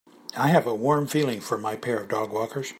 I have a warm feeling for my pair of dogwalkers.